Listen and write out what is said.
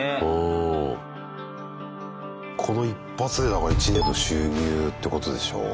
この１発でだから１年の収入ってことでしょう？